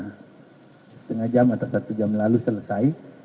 setengah jam atau satu jam lalu selesai